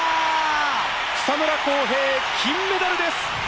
草村航平金メダルです！